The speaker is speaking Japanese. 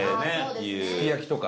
伊達：すき焼きとか？